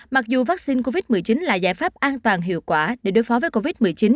mặc dù vaccine covid một mươi chín là giải pháp an toàn hiệu quả để đối phó với covid một mươi chín